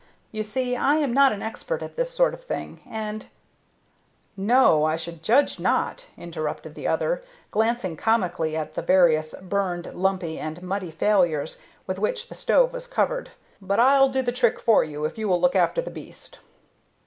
"You see, I am not an expert at this sort of thing, and " "No, I should judge not," interrupted the other, glancing comically at the various burned, lumpy, and muddy failures with which the stove was covered; "but I'll do the trick for you if you will look after the beast."